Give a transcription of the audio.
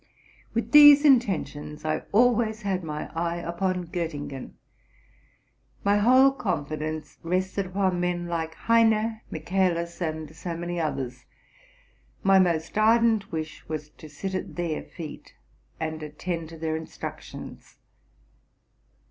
With these intentions I always had my eye upon Gottin gen. My whole confidence rested upon men like Heyne, Michaelis, and so many others: my most ardent wish was to sit at their feet, and attend to their instructions.